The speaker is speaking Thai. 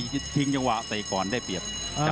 ทิ้งจังหวะเตะก่อนได้เปรียบ